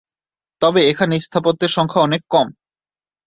তবে এখানে স্থাপত্যের সংখ্যা অনেক কম।